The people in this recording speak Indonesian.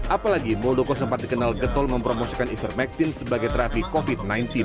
apalagi muldoko sempat dikenal getol mempromosikan ivermectin sebagai terapi covid sembilan belas